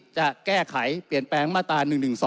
จะแก้ไขเปลี่ยนแปลงมาตรา๑๑๒